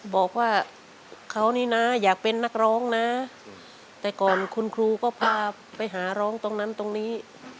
บอกว่าเขานี่นะอยากเป็นนักร้องนะแต่ก่อนคุณครูก็พาไปหาร้องตรงนั้นตรงนี้